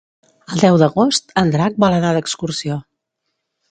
El deu d'agost en Drac vol anar d'excursió.